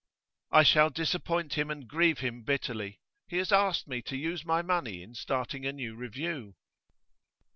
'I shall disappoint him and grieve him bitterly. He has asked me to use my money in starting a new review.